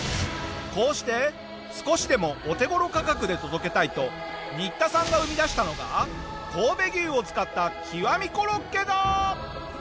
こうして少しでもお手頃価格で届けたいとニッタさんが生み出したのが神戸牛を使った極みコロッケだ！